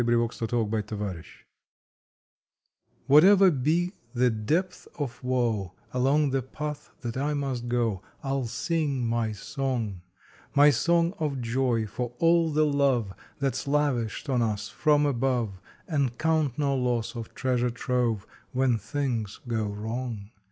October Twenty fifth MY SONG WHATEVER be the depth of woe Along the path that I must go, I ll sing my song My song of joy for all the love That s lavished on us from above, And count no loss of treasure trove When things go wrong.